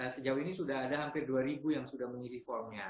sejauh ini sudah ada hampir dua ribu yang sudah mengiri formnya